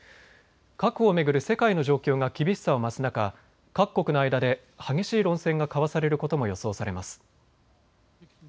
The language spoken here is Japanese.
核を巡る世界の状況が厳しさを増す中、各国の間で激しい論戦が交わされることも予想されます。